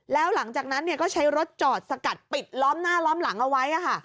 แล้วหลังจากนั้นก็ใช้รถจอดสกัดปิดล้อมหน้าล้อมหลังเอาไว้